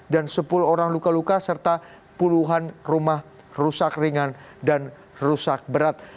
dan sepuluh orang luka luka serta puluhan rumah rusak ringan dan rusak berat